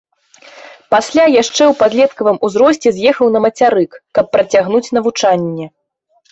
Пасля яшчэ ў падлеткавым узросце з'ехаў на мацярык, каб працягнуць навучанне.